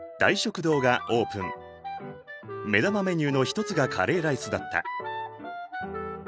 目玉メニューの一つがカレーライスだった。